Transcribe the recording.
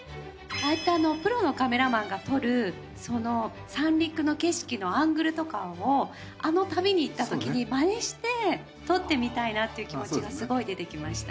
プロのカメラマンが撮る三陸の景色のアングルとかをあの旅に行ったときに真似して撮ってみたいなっていう気持ちがすごい出てきました。